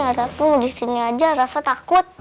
aduh disini aja rafa takut